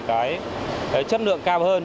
cái chất lượng cao hơn